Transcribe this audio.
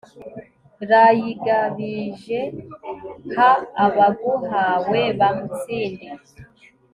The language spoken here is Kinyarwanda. rayigabije, ha abaguhawe bamutsinde